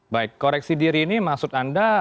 baik koreksi diri ini maksud anda